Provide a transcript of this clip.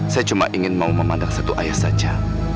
saya cuma ingin mau memandang satu ayah saja